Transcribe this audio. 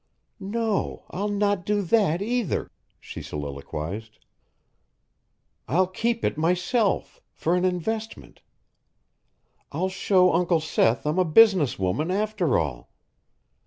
"No, I'll not do that, either," she soliloquized. "I'll keep it myself for an investment. I'll show Uncle Seth I'm a business woman, after all.